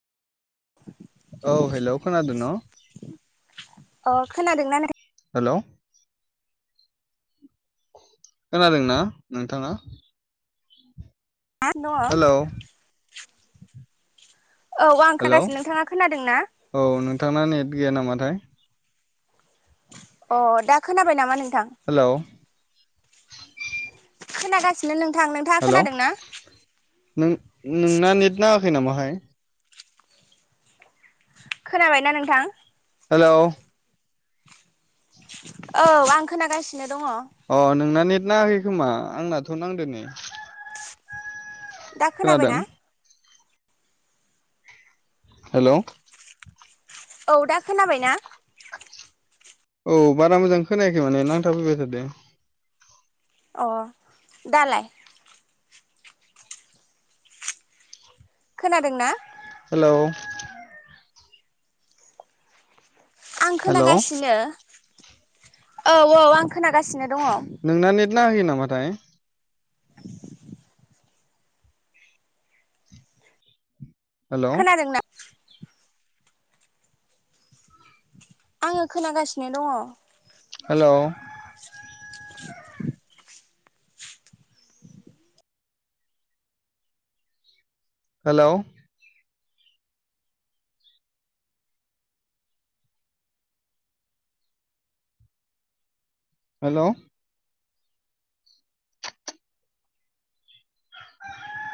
[inaudible] औ, हेल' खोनादों न? आं खोनादोंना नों हेल'। खोनादोंना नोंथाङा? हेलौ [unintelligible] आं हेलौ खोनागासिनो नोंथाङा खोनादों ना औ नोंथांना नेट गैया नामाथाय? अह दा खोनाबाय नामा नोंथां? हेलौ खोनागासिनो नों हेलौ, नों नोंना नेट नाङाखै नामाहाय? खोनाबायना नोंथां? हेलौ। औ आं खोनागासिनो। दङ अह, नोंना नेट नाङाखै खोमा आंनाथ' नांदो नै। दा खोनादों खोनाबायना? हेलौ। औ दा खोनाबायना? औ बारा मोजां खोनायाखै माने नांथा फैबाय थादो। अह दालाय? खोनादोंना? हेलौ। आं हेलौ खोनागासिनो औ औ आं खोनागासिनो दङ। नोंना नेट नाङाखै नामाथाय? हेलौ खोनादों ना? आङो खोनागासिनो दङ। हेलौ। हेलौ। हेलौ।